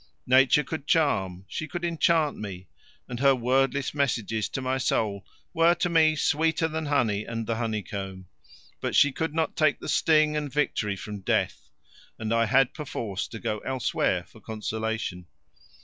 Nature could charm, she could enchant me, and her wordless messages to my soul were to me sweeter than honey and the honeycomb, but she could not take the sting and victory from death, and I had perforce to go elsewhere for consolation.